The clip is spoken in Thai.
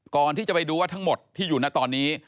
ไปดูว่าทั้งหมดที่อยู่นะตอนนี้